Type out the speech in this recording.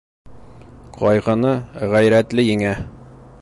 Ҡайғыны ғәйрәтле еңә.